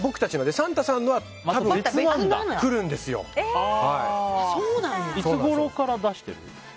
サンタさんは多分、別にいつごろから出してる？